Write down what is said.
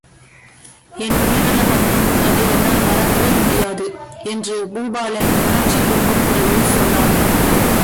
என் உயிருள்ள மட்டும் அதை என்னால் மறக்கவே முடியாது...! என்று பூபாலன், உணர்ச்சி பொங்கும் குரலில் சொன்னான்.